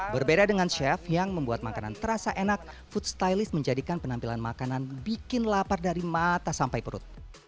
berbeda dengan chef yang membuat makanan terasa enak food stylist menjadikan penampilan makanan bikin lapar dari mata sampai perut